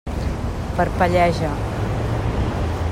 Parpelleja.